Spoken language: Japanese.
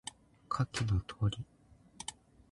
下記の通り